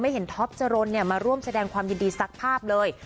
เห็นท็อปจรนมาร่วมแสดงความยินดีสักภาพเลย